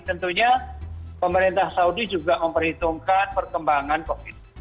tentunya pemerintah saudi juga memperhitungkan perkembangan covid